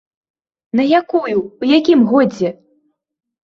На якую, у якім годзе?